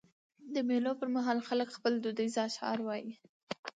د مېلو پر مهال خلک خپل دودیز اشعار وايي.